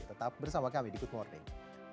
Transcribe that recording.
tetap bersama kami di good morning